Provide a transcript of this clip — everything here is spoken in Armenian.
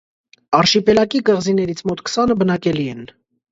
Արշիպելագի կղզիներից մոտ քսանը բնակելի են։